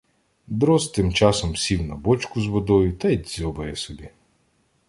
Дрозд тим часом сів на бочку з водою та й дзьобає собі.